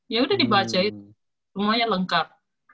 ya udah dibaca itu lumayan lengkap